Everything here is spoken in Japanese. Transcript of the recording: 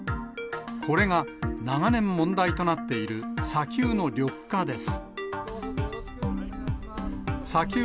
これが長年問題となっている砂丘の緑化です。